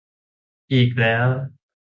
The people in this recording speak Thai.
อีกแล้ว -_